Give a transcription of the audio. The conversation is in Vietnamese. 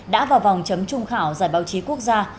đã vào vòng chấm trung khảo giải báo chí quốc gia